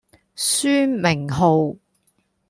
書名號